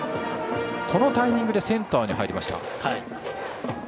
このタイミングでセンターに入りました。